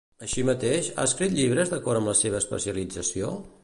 Així mateix, ha escrit llibres d'acord amb la seva especialització?